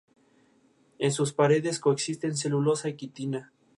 Ese potencial es fascinante.